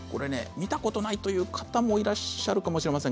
見たことないという方もいらっしゃるかもしれません。